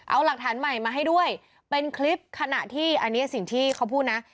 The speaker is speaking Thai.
เอาหลักฐานใหม่มาให้ด้วยเป็นคลิปขณะที่อันนี้สิ่งที่เขาพูดนะ